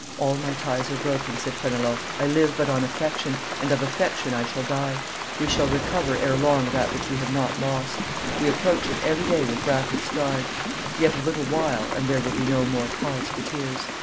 "All my ties are broken," said Fenelon; "I live but on affection, and of affection I shall die; we shall recover ere long that which we have not lost; we approach it every day with rapid strides; yet a little while, and there will be no more cause for tears."